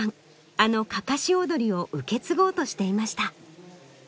あのかかし踊りを受け継ごうとしていました。